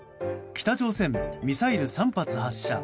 北朝鮮、ミサイル３発発射。